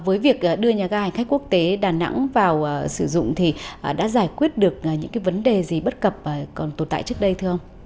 với việc đưa nhà ga hành khách quốc tế đà nẵng vào sử dụng thì đã giải quyết được những vấn đề gì bất cập còn tồn tại trước đây thưa ông